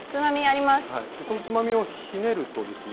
そのつまみをひねるとですね。